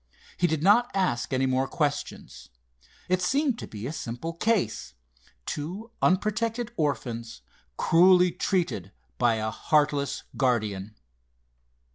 He did not ask any more questions. It seemed to be a simple case—two unprotected orphans cruelly treated by a heartless guardian.